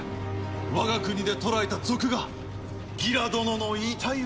我が国で捕らえた賊がギラ殿の遺体を。